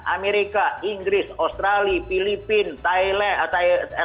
amerika inggris australia filipina thailand